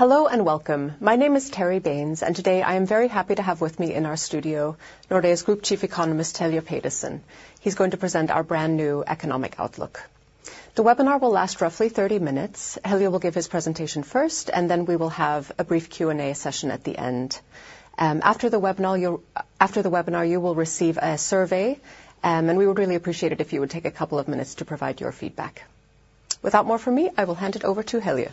Hello, and welcome. My name is Terry Baines, and today I am very happy to have with me in our studio Nordea's Group Chief Economist, Helge Pedersen. He's going to present our brand-new economic outlook. The webinar will last roughly 30 minutes. Helge will give his presentation first, and then we will have a brief Q&A session at the end. After the webinar, you will receive a survey, and we would really appreciate it if you would take a couple of minutes to provide your feedback. Without more from me, I will hand it over to Helge.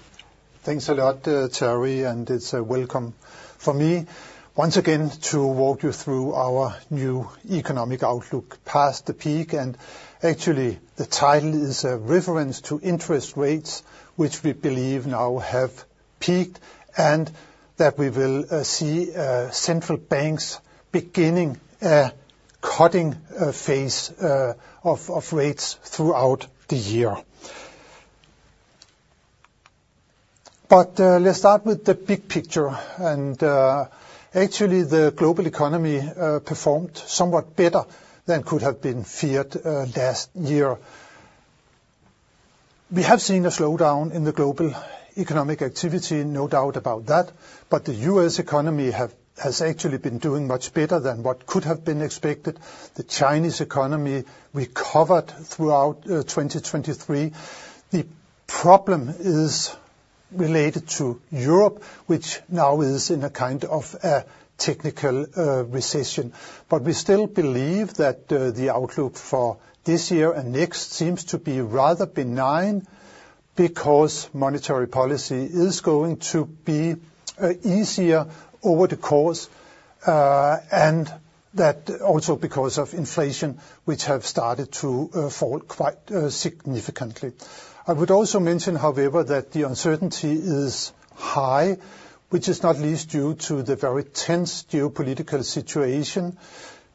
Thanks a lot, Terry, and it's welcome for me once again to walk you through our new economic outlook, Past the Peak, and actually, the title is a reference to interest rates, which we believe now have peaked, and that we will see central banks beginning a cutting phase of rates throughout the year. But let's start with the big picture, and actually, the global economy performed somewhat better than could have been feared last year. We have seen a slowdown in the global economic activity, no doubt about that, but the U.S. economy has actually been doing much better than what could have been expected. The Chinese economy recovered throughout 2023. The problem is related to Europe, which now is in a kind of technical recession. But we still believe that, the outlook for this year and next seems to be rather benign, because monetary policy is going to be, easier over the course, and that also because of inflation, which have started to, fall quite, significantly. I would also mention, however, that the uncertainty is high, which is not least due to the very tense geopolitical situation,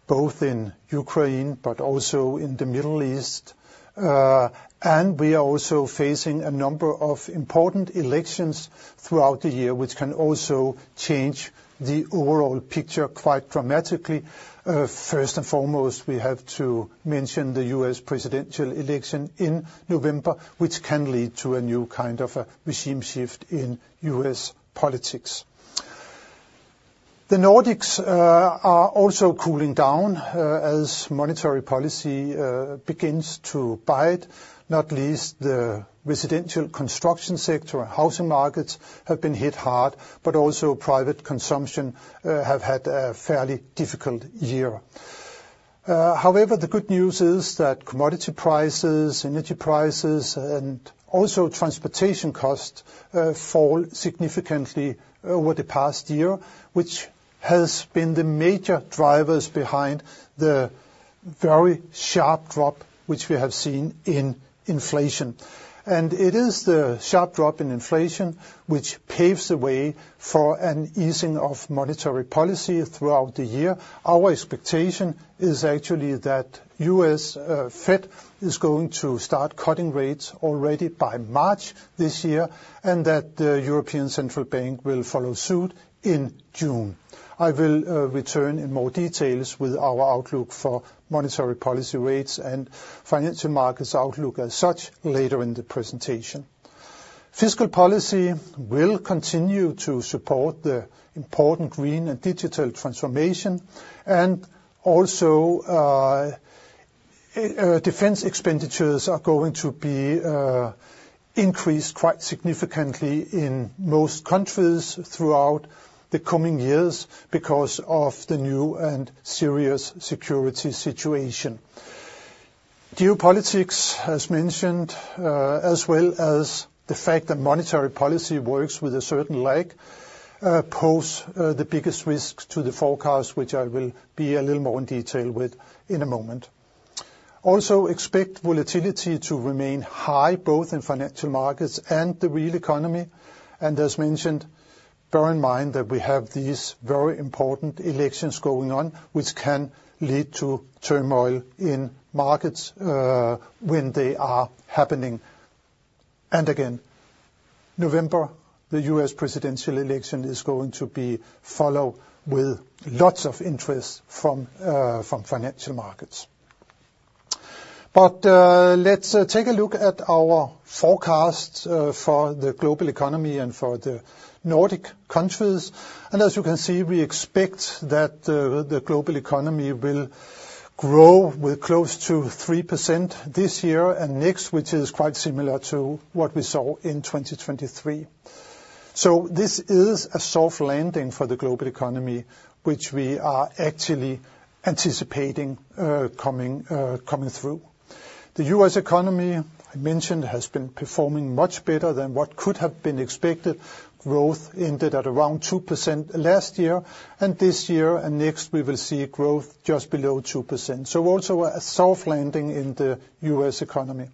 both in Ukraine but also in the Middle East. And we are also facing a number of important elections throughout the year, which can also change the overall picture quite dramatically. First and foremost, we have to mention the U.S. presidential election in November, which can lead to a new kind of a regime shift in U.S. politics. The Nordics, are also cooling down, as monetary policy, begins to bite. Not least, the residential construction sector and housing markets have been hit hard, but also private consumption have had a fairly difficult year. However, the good news is that commodity prices, energy prices, and also transportation costs fall significantly over the past year, which has been the major drivers behind the very sharp drop, which we have seen in inflation. And it is the sharp drop in inflation, which paves the way for an easing of monetary policy throughout the year. Our expectation is actually that U.S. Fed is going to start cutting rates already by March this year, and that the European Central Bank will follow suit in June. I will return in more details with our outlook for monetary policy rates and financial markets outlook as such, later in the presentation. Fiscal policy will continue to support the important green and digital transformation, and also, defense expenditures are going to be increased quite significantly in most countries throughout the coming years because of the new and serious security situation. Geopolitics, as mentioned, as well as the fact that monetary policy works with a certain lag, pose the biggest risks to the forecast, which I will be a little more in detail with in a moment. Also, expect volatility to remain high, both in financial markets and the real economy. And as mentioned, bear in mind that we have these very important elections going on, which can lead to turmoil in markets, when they are happening. And again, November, the U.S. presidential election, is going to be follow with lots of interest from, from financial markets. Let's take a look at our forecast for the global economy and for the Nordic countries. As you can see, we expect that the global economy will grow with close to 3% this year and next, which is quite similar to what we saw in 2023. This is a soft landing for the global economy, which we are actually anticipating coming through. The U.S. economy, I mentioned, has been performing much better than what could have been expected. Growth ended at around 2% last year, and this year and next, we will see growth just below 2%, so also a soft landing in the U.S. economy.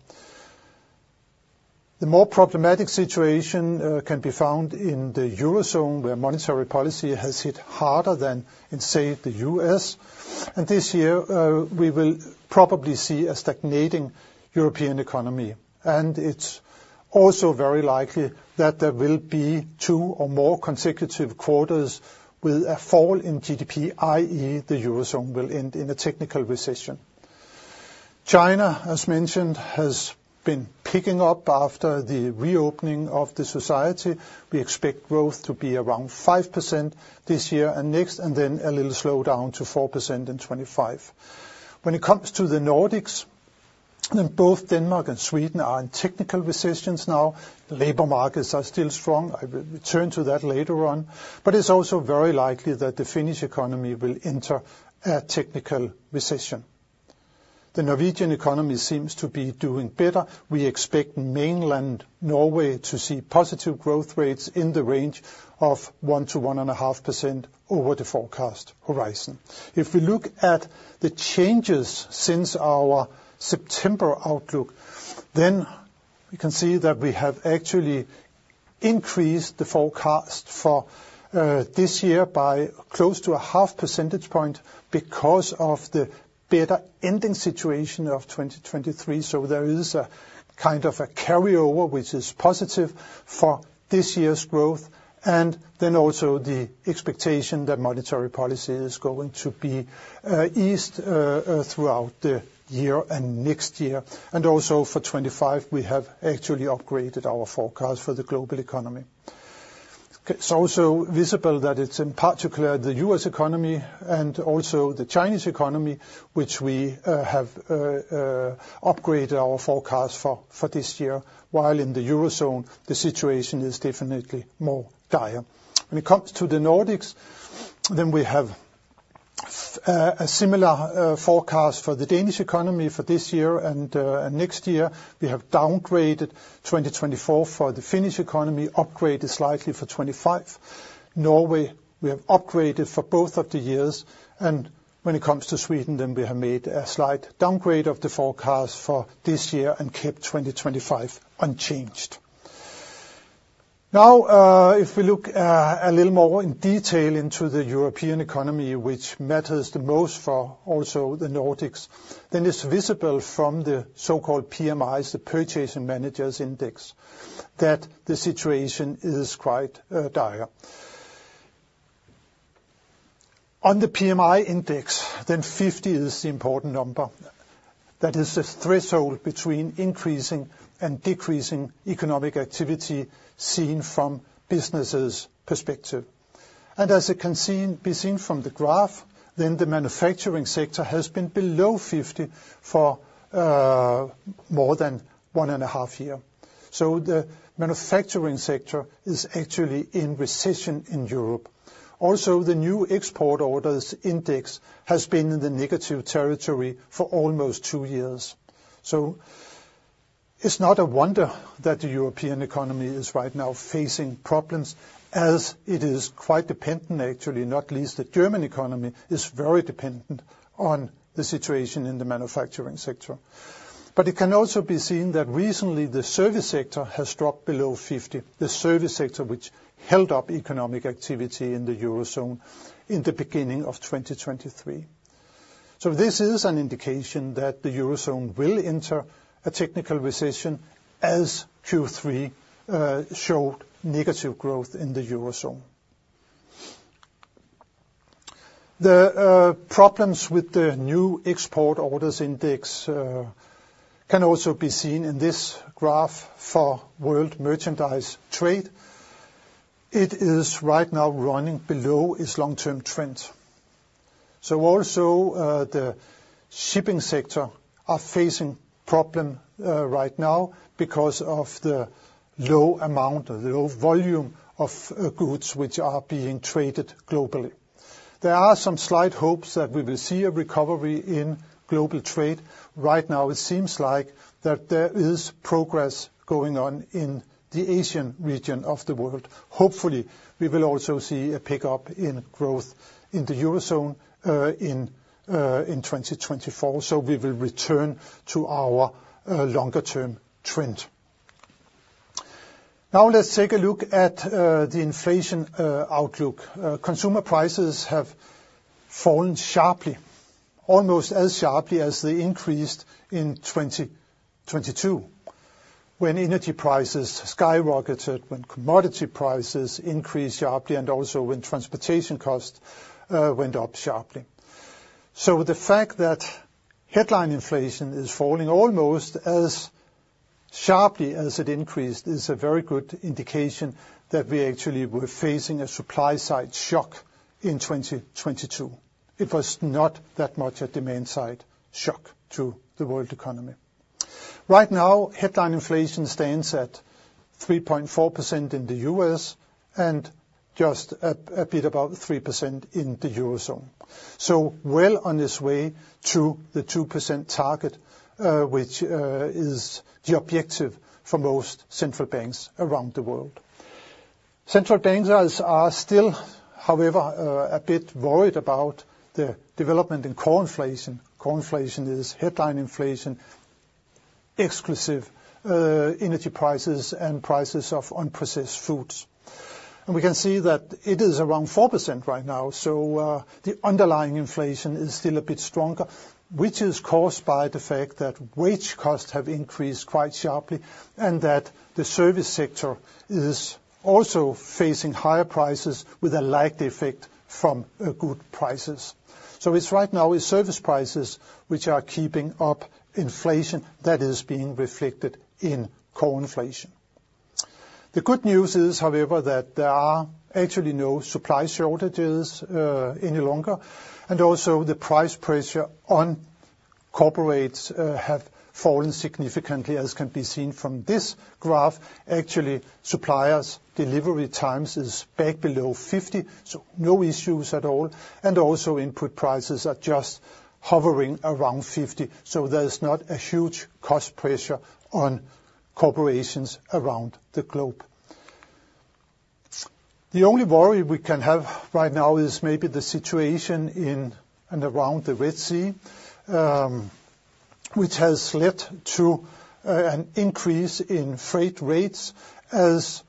The more problematic situation can be found in the Eurozone, where monetary policy has hit harder than in, say, the U.S. This year, we will probably see a stagnating European economy, and it's also very likely that there will be two or more consecutive quarters with a fall in GDP, i.e., the Eurozone will end in a technical recession. China, as mentioned, has been picking up after the reopening of the society. We expect growth to be around 5% this year and next, and then a little slowdown to 4% in 2025. When it comes to the Nordics, then both Denmark and Sweden are in technical recessions now. Labor markets are still strong. I will return to that later on. But it's also very likely that the Finnish economy will enter a technical recession. The Norwegian economy seems to be doing better. We expect Mainland Norway to see positive growth rates in the range of 1%-1.5% over the forecast horizon. If we look at the changes since our September outlook, then we can see that we have actually increased the forecast for this year by close to 0.5 percentage points because of the better ending situation of 2023. So there is a kind of a carryover, which is positive for this year's growth, and then also the expectation that monetary policy is going to be eased throughout the year and next year. And also for 2025, we have actually upgraded our forecast for the global economy. It's also visible that it's in particular the U.S. economy and also the Chinese economy, which we have upgraded our forecast for, for this year, while in the Eurozone, the situation is definitely more dire. When it comes to the Nordics, then we have a similar forecast for the Danish economy for this year and next year. We have downgraded 2024 for the Finnish economy, upgraded slightly for 2025. Norway, we have upgraded for both of the years, and when it comes to Sweden, then we have made a slight downgrade of the forecast for this year and kept 2025 unchanged. Now, if we look a little more in detail into the European economy, which matters the most for also the Nordics, then it's visible from the so-called PMIs, the Purchasing Managers' Index, that the situation is quite dire. On the PMI index, then 50 is the important number. That is the threshold between increasing and decreasing economic activity seen from businesses' perspective. And as it can be seen from the graph, then the manufacturing sector has been below 50 for more than 1.5 years. So the manufacturing sector is actually in recession in Europe. Also, the new export orders index has been in the negative territory for almost two years. So it's not a wonder that the European economy is right now facing problems, as it is quite dependent, actually, not least the German economy is very dependent on the situation in the manufacturing sector. But it can also be seen that recently, the service sector has dropped below 50. The service sector, which held up economic activity in the Eurozone in the beginning of 2023. So this is an indication that the Eurozone will enter a technical recession as Q3 showed negative growth in the Eurozone. The problems with the new export orders index can also be seen in this graph for world merchandise trade. It is right now running below its long-term trend. So also the shipping sector are facing problem right now because of the low amount, the low volume of goods which are being traded globally. There are some slight hopes that we will see a recovery in global trade. Right now, it seems like that there is progress going on in the Asian region of the world. Hopefully, we will also see a pickup in growth in the Eurozone in in 2024, so we will return to our longer term trend. Now let's take a look at the inflation outlook. Consumer prices have fallen sharply, almost as sharply as they increased in 2022, when energy prices skyrocketed, when commodity prices increased sharply, and also when transportation costs went up sharply. So the fact that headline inflation is falling almost as sharply as it increased is a very good indication that we actually were facing a supply side shock in 2022. It was not that much a demand side shock to the world economy. Right now, headline inflation stands at 3.4% in the U.S., and just a bit above 3% in the Eurozone. So well on its way to the 2% target, which is the objective for most central banks around the world. Central banks are still, however, a bit worried about the development in core inflation. Core inflation is headline inflation, exclusive of energy prices and prices of unprocessed foods. And we can see that it is around 4% right now, so the underlying inflation is still a bit stronger, which is caused by the fact that wage costs have increased quite sharply, and that the service sector is also facing higher prices with a likely effect from food prices. So it's right now, it's service prices which are keeping up inflation that is being reflected in core inflation. The good news is, however, that there are actually no supply shortages any longer, and also the price pressure on corporates have fallen significantly, as can be seen from this graph. Actually, suppliers' delivery times is back below 50, so no issues at all. Also input prices are just hovering around 50, so there's not a huge cost pressure on corporations around the globe. The only worry we can have right now is maybe the situation in and around the Red Sea, which has led to an increase in freight rates as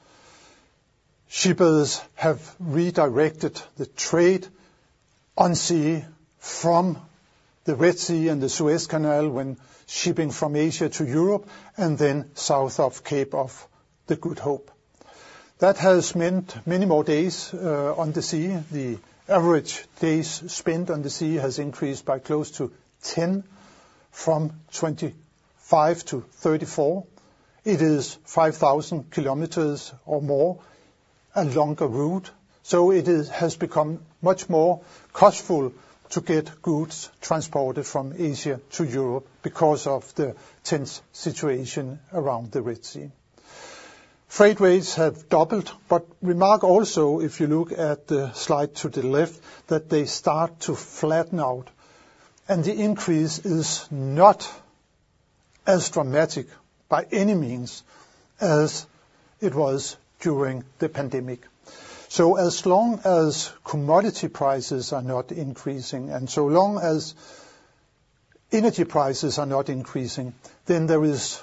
shippers have redirected the trade on sea from the Red Sea and the Suez Canal, when shipping from Asia to Europe, and then south of Cape of Good Hope. That has meant many more days on the sea. The average days spent on the sea has increased by close to 10, from 25 -34. It is 5,000 kms or more, a longer route, so it has become much more costful to get goods transported from Asia to Europe because of the tense situation around the Red Sea. Freight rates have doubled, but remark also, if you look at the slide to the left, that they start to flatten out, and the increase is not as dramatic by any means as it was during the pandemic. So as long as commodity prices are not increasing, and so long as energy prices are not increasing, then there is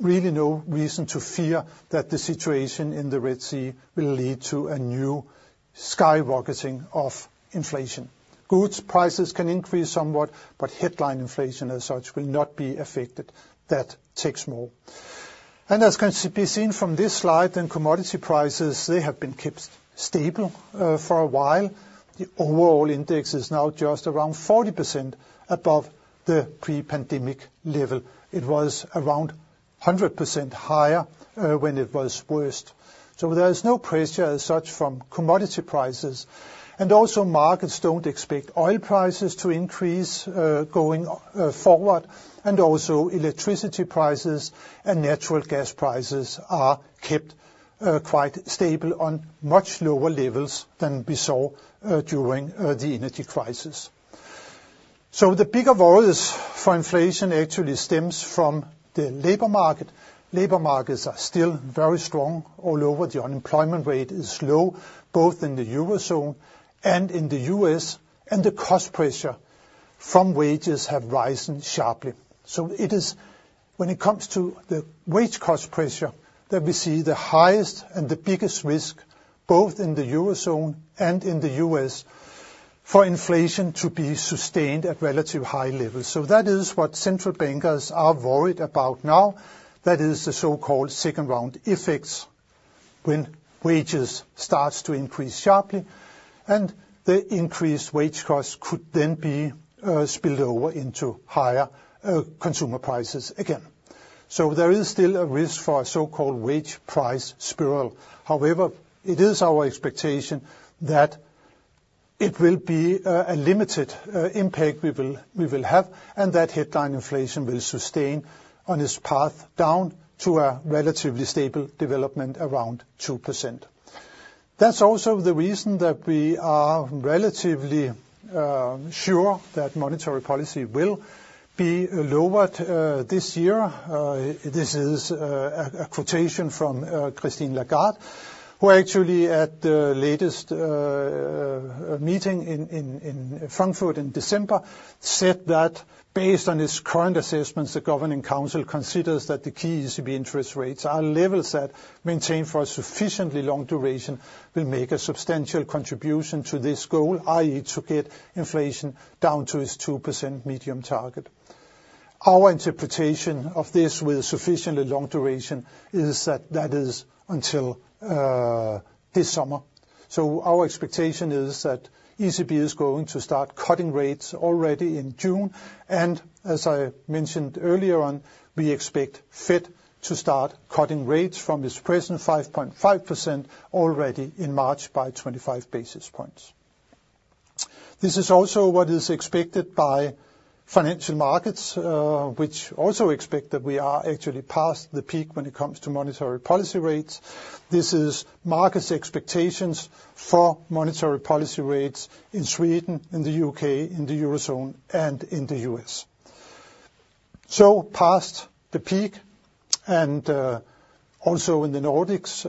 really no reason to fear that the situation in the Red Sea will lead to a new skyrocketing of inflation. Goods prices can increase somewhat, but headline inflation as such will not be affected. That takes more. And as can be seen from this slide, then commodity prices, they have been kept stable for a while. The overall index is now just around 40% above the pre-pandemic level. It was around 100% higher when it was worst. There is no pressure as such from commodity prices. Also, markets don't expect oil prices to increase, going forward, and also electricity prices and natural gas prices are kept quite stable on much lower levels than we saw during the energy crisis. The bigger worries for inflation actually stems from the labor market. Labor markets are still very strong all over. The unemployment rate is low, both in the Eurozone and in the U.S., and the cost pressure from wages have risen sharply. It is when it comes to the wage cost pressure that we see the highest and the biggest risk, both in the Eurozone and in the U.S., for inflation to be sustained at relatively high levels. That is what central bankers are worried about now. That is the so-called second round effects, when wages starts to increase sharply, and the increased wage costs could then be spilled over into higher consumer prices again. So there is still a risk for a so-called wage price spiral. However, it is our expectation that it will be a limited impact we will have, and that headline inflation will sustain on this path down to a relatively stable development around 2%. That's also the reason that we are relatively sure that monetary policy will be lowered this year. This is a quotation from Christine Lagarde, who actually, at the latest meeting in Frankfurt in December, said that, "Based on its current assessments, the Governing Council considers that the key ECB interest rates are levels that, maintained for a sufficiently long duration, will make a substantial contribution to this goal," i.e., to get inflation down to its 2% medium target. Our interpretation of this with a sufficiently long duration is that that is until this summer. So our expectation is that ECB is going to start cutting rates already in June, and as I mentioned earlier on, we expect Fed to start cutting rates from its present 5.5% already in March by 25 basis points. This is also what is expected by financial markets, which also expect that we are actually past the peak when it comes to monetary policy rates. This is market's expectations for monetary policy rates in Sweden, in the U.K., in the Eurozone, and in the U.S. So past the peak, and also in the Nordics,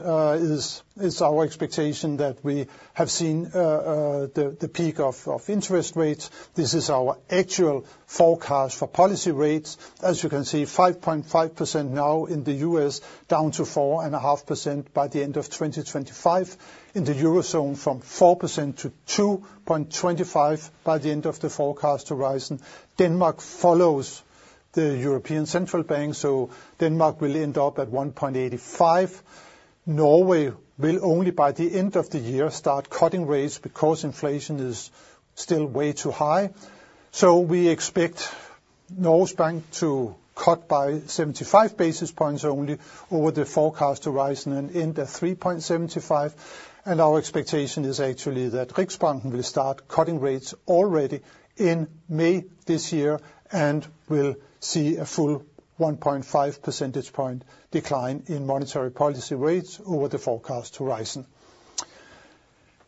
is our expectation that we have seen the peak of interest rates. This is our actual forecast for policy rates. As you can see, 5.5% now in the U.S., down to 4.5% by the end of 2025. In the Eurozone, from 4% -2.25% by the end of the forecast horizon. Denmark follows the European Central Bank, so Denmark will end up at 1.85%. Norway will only, by the end of the year, start cutting rates because inflation is still way too high. So we expect Norges Bank to cut by 75 basis points only over the forecast horizon and end at 3.75. And our expectation is actually that Riksbanken will start cutting rates already in May this year, and we'll see a full 1.5 percentage point decline in monetary policy rates over the forecast horizon.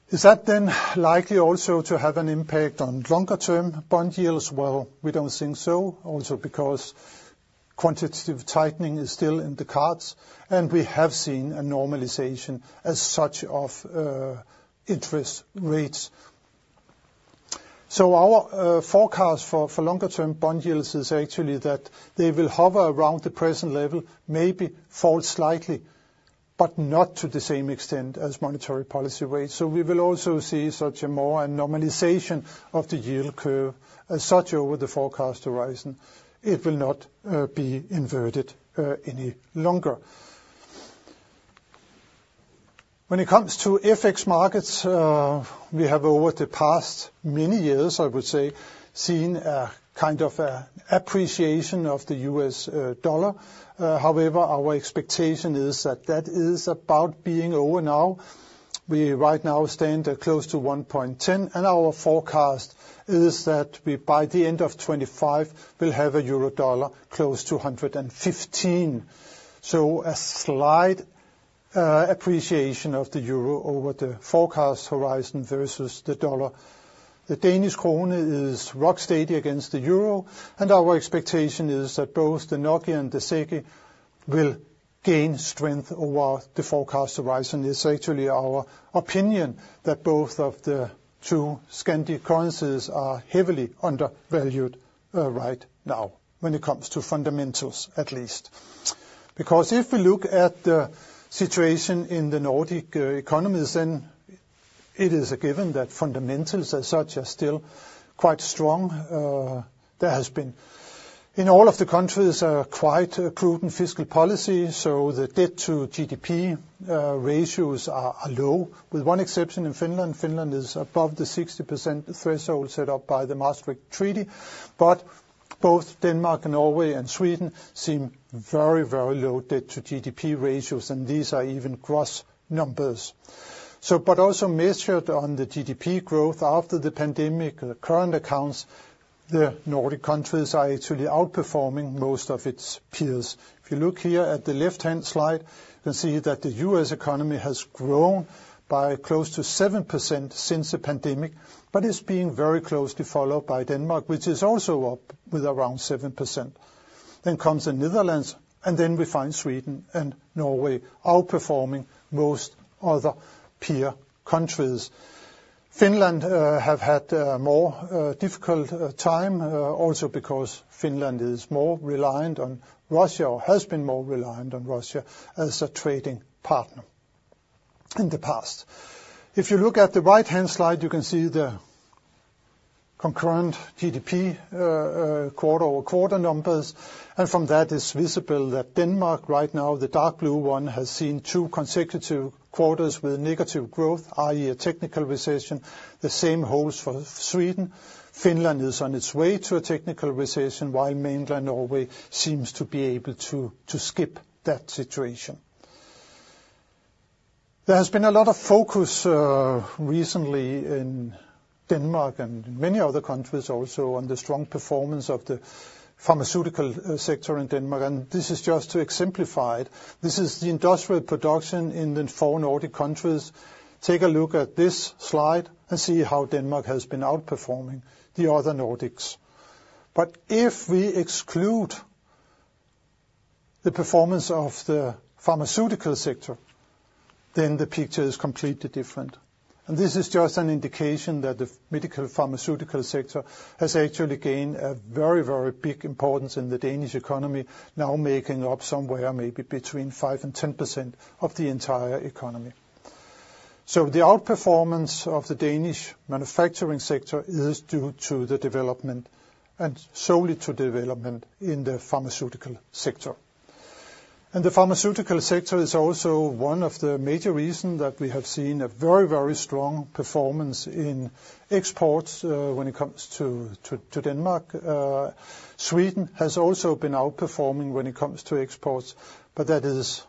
Is that then likely also to have an impact on longer-term bond yields? Well, we don't think so. Also, because quantitative tightening is still in the cards, and we have seen a normalization as such of interest rates. So our forecast for longer-term bond yields is actually that they will hover around the present level, maybe fall slightly, but not to the same extent as monetary policy rates. We will also see such a more normalization of the yield curve as such over the forecast horizon. It will not be inverted any longer. When it comes to FX markets, we have over the past many years, I would say, seen a kind of appreciation of the U.S. dollar. However, our expectation is that that is about being over now. We right now stand at close to 1.10, and our forecast is that we, by the end of 2025, will have a euro dollar close to 1.15. So a slight appreciation of the euro over the forecast horizon versus the dollar. The Danish krone is rock steady against the euro, and our expectation is that both the NOK and the SEK will gain strength over the forecast horizon. It's actually our opinion that both of the two Scandinavian currencies are heavily undervalued right now when it comes to fundamentals, at least. Because if we look at the situation in the Nordic economies, then it is a given that fundamentals as such are still quite strong. There has been, in all of the countries, a quite prudent fiscal policy, so the debt-to-GDP ratios are low, with one exception in Finland. Finland is above the 60% threshold set up by the Maastricht Treaty, but both Denmark, Norway, and Sweden seem very, very low debt-to-GDP ratios, and these are even gross numbers. So, but also measured on the GDP growth after the pandemic, the current accounts, the Nordic countries are actually outperforming most of its peers. If you look here at the left-hand slide, you can see that the U.S. economy has grown by close to 7% since the pandemic, but it's being very closely followed by Denmark, which is also up with around 7%. Then comes the Netherlands, and then we find Sweden and Norway outperforming most other peer countries. Finland have had a more difficult time, also because Finland is more reliant on Russia or has been more reliant on Russia as a trading partner in the past. If you look at the right-hand slide, you can see the concurrent GDP quarter-over-quarter numbers, and from that, it's visible that Denmark, right now, the dark blue one, has seen two consecutive quarters with negative growth, i.e., a technical recession. The same holds for Sweden. Finland is on its way to a technical recession, while Mainland Norway seems to be able to skip that situation. There has been a lot of focus recently in Denmark and many other countries also, on the strong performance of the pharmaceutical sector in Denmark, and this is just to exemplify it. This is the industrial production in the four Nordic countries. Take a look at this slide and see how Denmark has been outperforming the other Nordics. But if we exclude the performance of the pharmaceutical sector, then the picture is completely different. And this is just an indication that the medical pharmaceutical sector has actually gained a very, very big importance in the Danish economy, now making up somewhere maybe between 5% and 10% of the entire economy. So the outperformance of the Danish manufacturing sector is due to the development, and solely to development, in the pharmaceutical sector. The pharmaceutical sector is also one of the major reasons that we have seen a very, very strong performance in exports when it comes to Denmark. Sweden has also been outperforming when it comes to exports, but that is,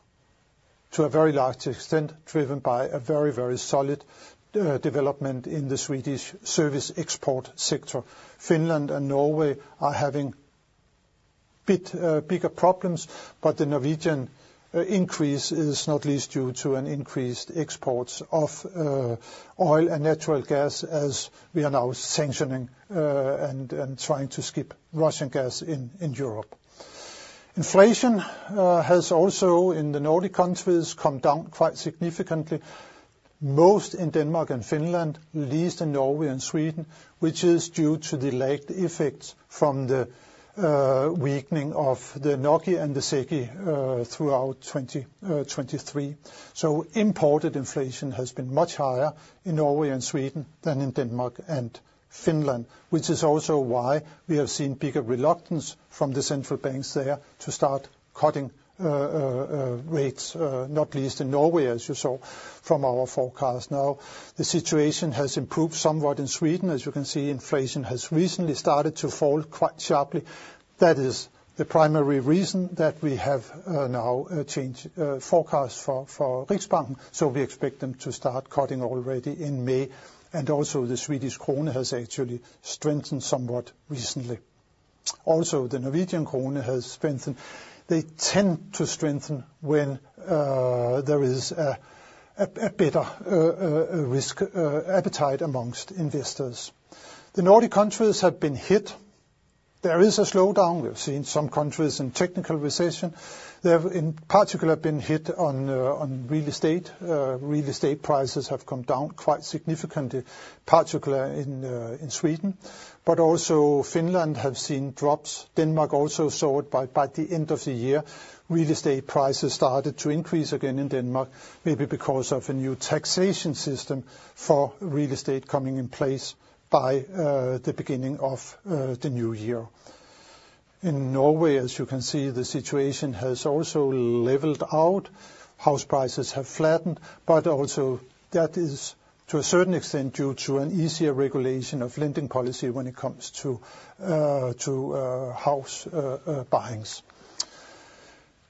to a very large extent, driven by a very, very solid development in the Swedish service export sector. Finland and Norway are having bit bigger problems, but the Norwegian increase is not least due to an increased exports of oil and natural gas, as we are now sanctioning and trying to skip Russian gas in Europe. Inflation has also, in the Nordic countries, come down quite significantly, most in Denmark and Finland, least in Norway and Sweden, which is due to the lagged effects from the weakening of the NOK and the SEK throughout 2023. So imported inflation has been much higher in Norway and Sweden than in Denmark and Finland, which is also why we have seen bigger reluctance from the central banks there to start cutting rates, not least in Norway, as you saw from our forecast. Now, the situation has improved somewhat in Sweden. As you can see, inflation has recently started to fall quite sharply. That is the primary reason that we have now a change forecast for Riksbanken, so we expect them to start cutting already in May. And also, the Swedish krona has actually strengthened somewhat recently. Also, the Norwegian krone has strengthened. They tend to strengthen when there is a better risk appetite amongst investors. The Nordic countries have been hit. There is a slowdown. We've seen some countries in technical recession. They have, in particular, been hit on real estate. Real estate prices have come down quite significantly, particularly in Sweden, but also Finland have seen drops. Denmark also saw it, but by the end of the year, real estate prices started to increase again in Denmark, maybe because of a new taxation system for real estate coming in place by the beginning of the new year. In Norway, as you can see, the situation has also leveled out. House prices have flattened, but also that is, to a certain extent, due to an easier regulation of lending policy when it comes to house buying.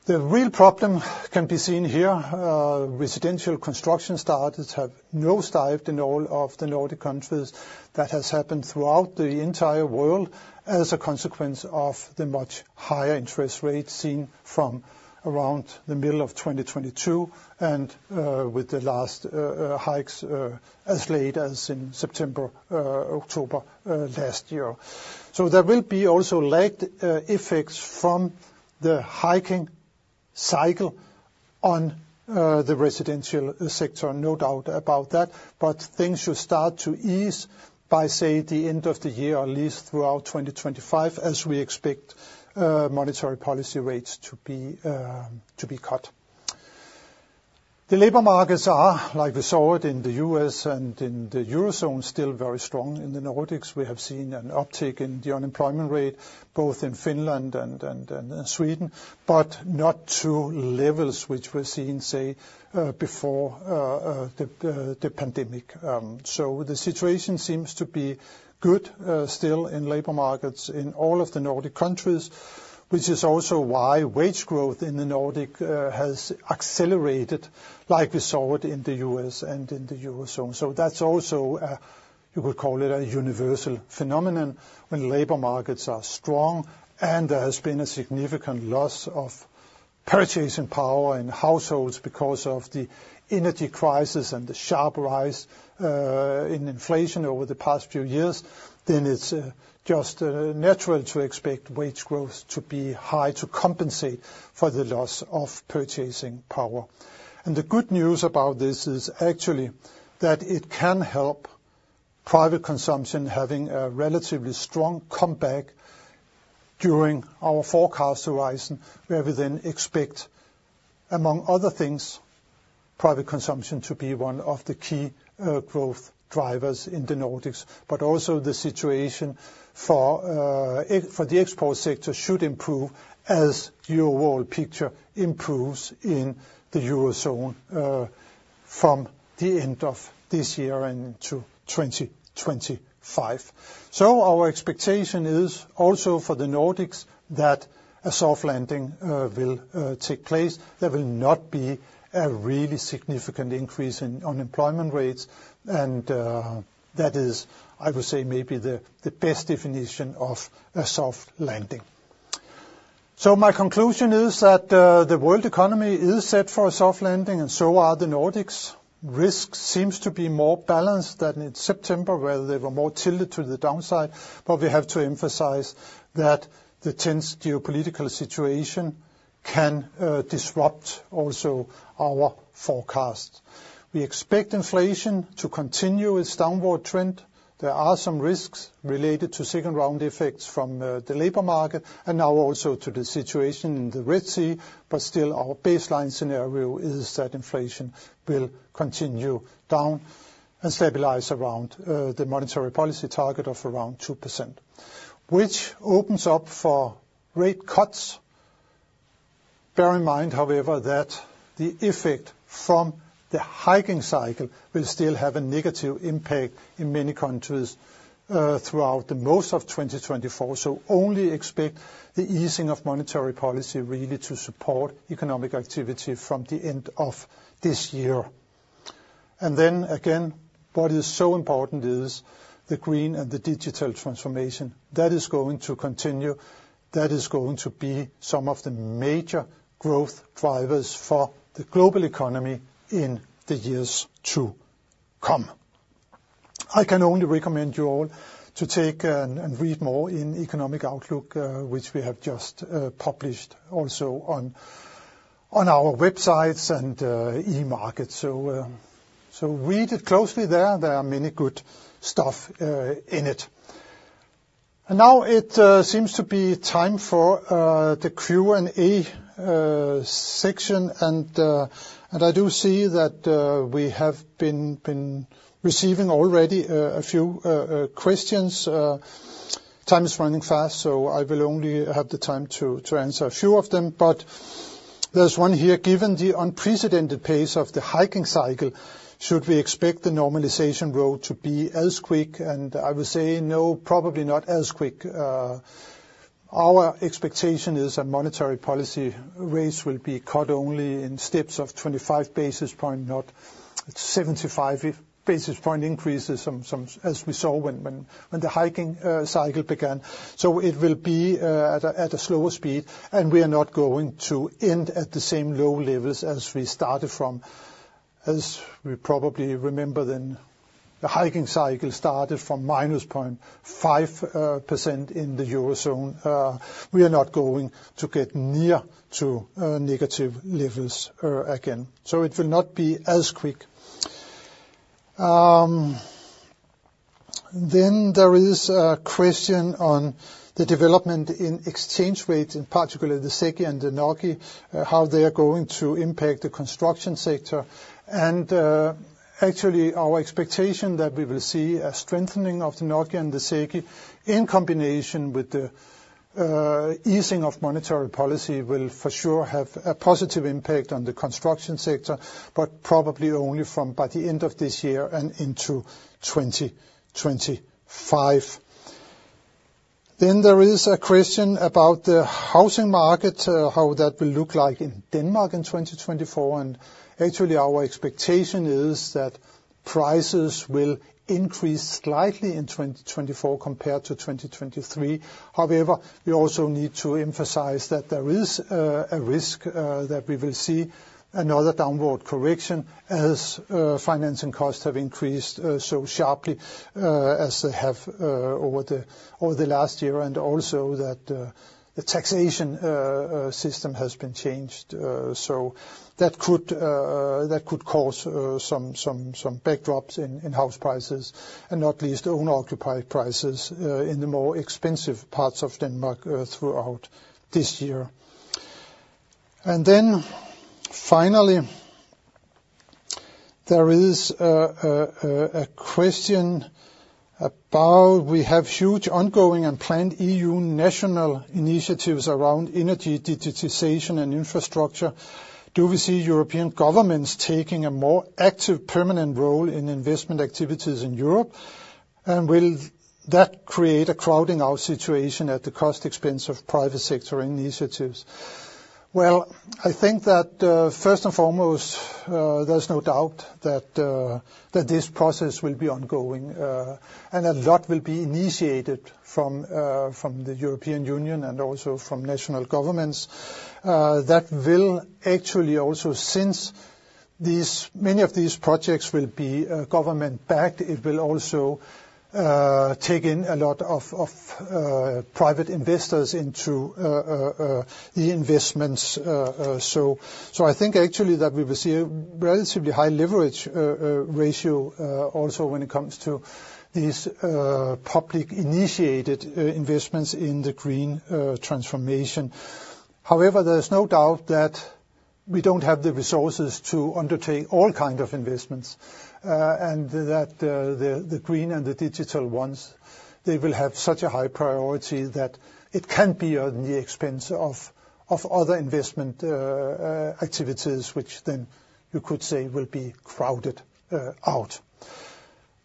The real problem can be seen here. Residential construction starts have nosedived in all of the Nordic countries. That has happened throughout the entire world as a consequence of the much higher interest rates seen from around the middle of 2022, and with the last hikes as late as in September, October, last year. So there will be also lagged effects from the hiking cycle on the residential sector, no doubt about that. But things should start to ease by, say, the end of the year, or at least throughout 2025, as we expect monetary policy rates to be cut. The labor markets are, like we saw it in the U.S. and in the Eurozone, still very strong. In the Nordics, we have seen an uptick in the unemployment rate, both in Finland and Sweden, but not to levels which were seen, say, before the pandemic. So the situation seems to be good still in labor markets in all of the Nordic countries, which is also why wage growth in the Nordic has accelerated like we saw it in the U.S. and in the Eurozone. So that's also, you could call it a universal phenomenon when labor markets are strong, and there has been a significant loss of purchasing power in households because of the energy crisis and the sharp rise in inflation over the past few years. Then it's just natural to expect wage growth to be high, to compensate for the loss of purchasing power. And the good news about this is actually that it can help private consumption, having a relatively strong comeback during our forecast horizon, where we then expect, among other things, private consumption to be one of the key growth drivers in the Nordics. But also the situation for the export sector should improve as the overall picture improves in the Eurozone, from the end of this year and into 2025. So our expectation is also for the Nordics, that a soft landing will take place. There will not be a really significant increase in unemployment rates, and that is, I would say, maybe the best definition of a soft landing. So my conclusion is that, the world economy is set for a soft landing, and so are the Nordics. Risk seems to be more balanced than in September, where they were more tilted to the downside. But we have to emphasize that the tense geopolitical situation can, disrupt also our forecast. We expect inflation to continue its downward trend. There are some risks related to second-round effects from, the labor market and now also to the situation in the Red Sea. But still, our baseline scenario is that inflation will continue down and stabilize around, the monetary policy target of around 2%, which opens up for rate cuts. Bear in mind, however, that the effect from the hiking cycle will still have a negative impact in many countries, throughout most of 2024. Only expect the easing of monetary policy really to support economic activity from the end of this year. And then again, what is so important is the green and the digital transformation. That is going to continue. That is going to be some of the major growth drivers for the global economy in the years to come. I can only recommend you all to take and read more in Economic Outlook, which we have just published also on our websites and e-Markets. So, so read it closely there. There are many good stuff in it. And now it seems to be time for the Q&A section, and I do see that we have been receiving already a few questions. Time is running fast, so I will only have the time to answer a few of them. But there's one here: Given the unprecedented pace of the hiking cycle, should we expect the normalization road to be as quick? And I would say, no, probably not as quick. Our expectation is a monetary policy rates will be cut only in steps of 25 basis point, not 75 basis point increases, as we saw when the hiking cycle began. So it will be at a slower speed, and we are not going to end at the same low levels as we started from. As we probably remember, then the hiking cycle started from -0.5% in the Eurozone. We are not going to get near to negative levels again, so it will not be as quick. Then there is a question on the development in exchange rates, in particular the SEK and the NOK, how they are going to impact the construction sector. And, actually, our expectation that we will see a strengthening of the NOK and the SEK, in combination with the easing of monetary policy, will for sure have a positive impact on the construction sector, but probably only from by the end of this year and into 2025. Then there is a question about the housing market, how that will look like in Denmark in 2024, and actually, our expectation is that prices will increase slightly in 2024 compared to 2023. However, we also need to emphasize that there is a risk that we will see another downward correction as financing costs have increased so sharply as they have over the last year, and also that the taxation system has been changed. So that could cause some backdrops in house prices and not least owner-occupied prices in the more expensive parts of Denmark throughout this year. And then finally, there is a question about we have huge ongoing and planned EU national initiatives around energy, digitization and infrastructure. Do we see European governments taking a more active, permanent role in investment activities in Europe? And will that create a crowding out situation at the cost expense of private sector initiatives? Well, I think that, first and foremost, there's no doubt that that this process will be ongoing, and a lot will be initiated from, from the European Union and also from national governments. That will actually also, since these many of these projects will be government-backed, it will also take in a lot of, of private investors into the investments. So, so I think actually that we will see a relatively high leverage ratio, also when it comes to these public-initiated investments in the green transformation. However, there is no doubt that we don't have the resources to undertake all kind of investments, and that the green and the digital ones they will have such a high priority that it can be on the expense of other investment activities, which then you could say will be crowded out.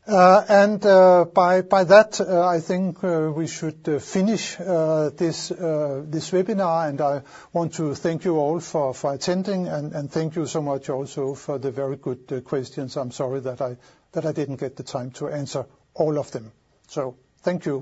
And by that, I think we should finish this webinar. And I want to thank you all for attending, and thank you so much also for the very good questions. I'm sorry that I didn't get the time to answer all of them. So thank you!